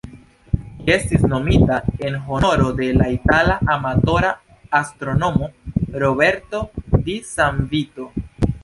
Ĝi estis nomita en honoro de la itala amatora astronomo "Roberto di San Vito".